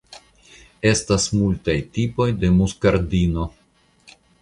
Estas multaj tipoj de muskardino.